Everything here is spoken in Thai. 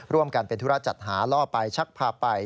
ร่วมกันเป็นธุระจัดหาล่อไปชักพาไป